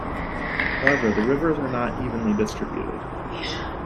However, the rivers are not evenly distributed.